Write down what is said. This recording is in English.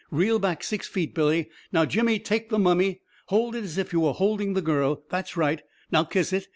Reel back six feet, Billy. Now, Jimmy, take the mummy — hold it as you were holding the girl — that's right! Now kiss it!